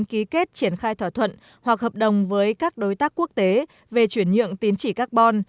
ký kết triển khai thỏa thuận hoặc hợp đồng với các đối tác quốc tế về chuyển nhượng tín chỉ carbon